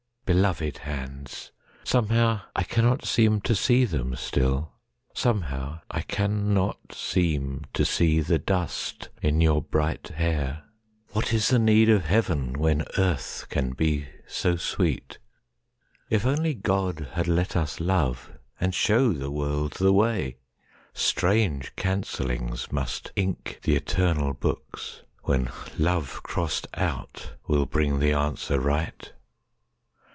(Beloved hands! Somehow I cannot seem to see them still. Somehow I cannot seem to see the dustIn your bright hair.) What is the need of HeavenWhen earth can be so sweet?—If only GodHad let us love,—and show the world the way! Strange cancellings must ink th' eternal booksWhen love crossed out will bring the answer right!